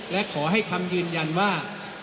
และขอให้คำยืนยันว่า